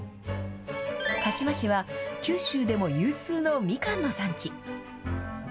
鹿島市は九州でも有数のミカンの産地。